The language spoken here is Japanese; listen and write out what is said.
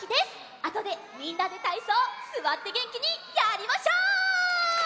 あとでみんなでたいそうすわってげんきにやりましょう！